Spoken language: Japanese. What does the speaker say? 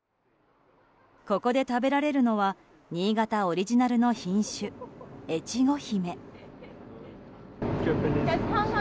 ここで食べられるのは新潟オリジナルの品種、越後姫。